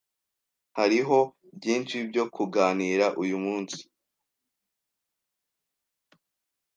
Hariho byinshi byo kuganira uyu munsi.